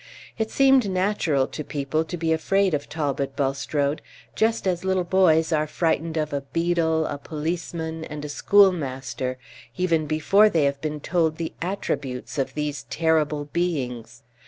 It seemed natural to people to be afraid of Talbot Bulstrode, just as little boys are frightened of a beadle, a policeman, and a school master, even before they have been told the attributes of these terrible beings.